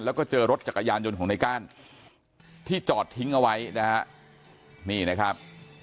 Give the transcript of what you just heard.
แล้วก็เจอรถจักรยานยนต์ของในก้านที่จอดทิ้งเอาไว้นะฮะนี่นะครับ